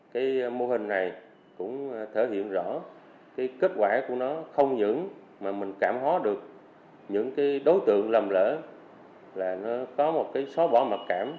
cái mô hình này cũng thể hiện rõ cái kết quả của nó không những mà mình cảm hóa được những cái đối tượng lầm lỡ là nó có một cái xóa bỏ mặc cảm